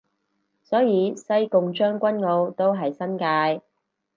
所以西貢將軍澳都係新界